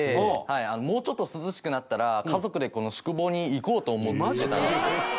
もうちょっと涼しくなったら家族でこの宿坊に行こうと思ってたんですよ。